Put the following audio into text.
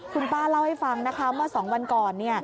คุณป้าเล่าให้ฟังนะคะเมื่อ๒วันก่อน